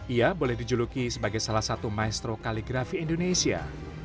ia boleh dijuluki sebagai salah satu maestro kaligrafi indonesia